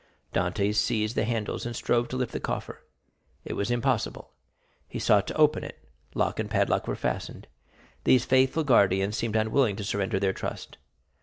Dantès seized the handles, and strove to lift the coffer; it was impossible. He sought to open it; lock and padlock were fastened; these faithful guardians seemed unwilling to surrender their trust.